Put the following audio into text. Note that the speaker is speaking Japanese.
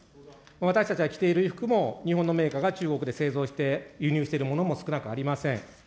私たちが着ている衣服も、日本のメーカーが中国で製造して輸入しているものも少なくありません。